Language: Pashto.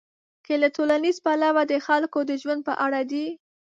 که له ټولنیز پلوه د خلکو د ژوند په اړه دي.